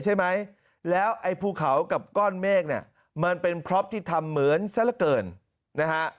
ใช่ไหมแล้วไอ้ภูเขากับก้อนเมฆเนี่ยมันเป็นพร็อปที่ทำเหมือนซะละเกินนะฮะ